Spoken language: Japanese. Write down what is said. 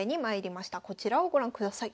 こちらをご覧ください。